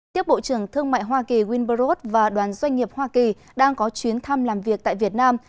tiếp bộ trưởng thương mại hoa kỳ winburd và đoàn doanh nghiệp hoa kỳ đang có chuyến thăm làm việc tại việt nam